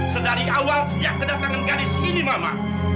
sedari awal sejak kedatangan gadis ini mama